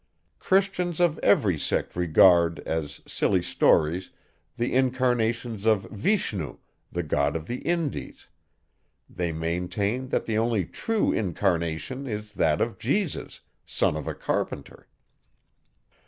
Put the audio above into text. Christians of every sect regard, as silly stories, the incarnations of Vishnu, the God of the Indies; they maintain, that the only true incarnation is that of Jesus, son of a carpenter.